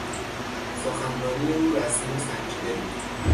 سخنرانی او رسمی و سنجیده بود.